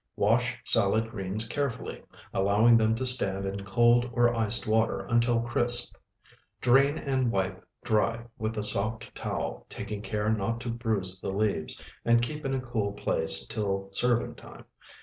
Wash salad greens carefully, allowing them to stand in cold or iced water until crisp. Drain and wipe dry with a soft towel, taking care not to bruise the leaves, and keep in cool place till serving time.